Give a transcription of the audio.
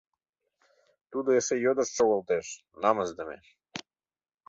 Тудо эше йодышт шогылтеш, намысдыме!